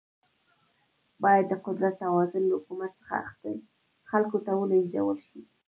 باید د قدرت توازن له حکومت څخه خلکو ته ولیږدول شي.